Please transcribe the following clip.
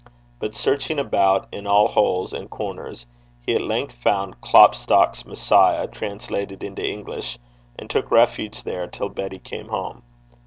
But, searching about in all holes and corners, he at length found Klopstock's Messiah translated into English, and took refuge there till Betty came home.